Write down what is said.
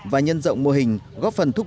và nhân rộng mô hình góp phần thúc đẩy